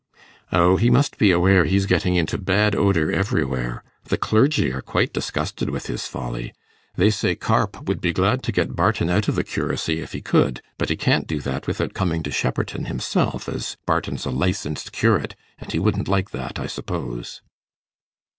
'O, he must be aware he's getting into bad odour everywhere. The clergy are quite disgusted with his folly. They say Carpe would be glad to get Barton out of the curacy if he could; but he can't do that without coming to Shepperton himself, as Barton's a licensed curate; and he wouldn't like that, I suppose.